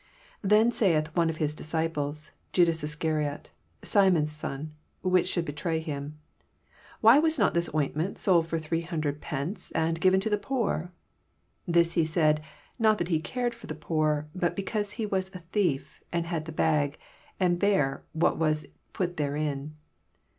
4 Then saith one of his disciples, Ju das Iscarioty Simon's m», which should betray him, 6 Why was not this ointment sold for three hundred pence, and given to the poor? 6 This he said, not that he oared for the poor; but because he was a thief, and had the bag, and bare what was put therein.